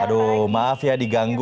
aduh maaf ya diganggu